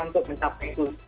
untuk mencapai itu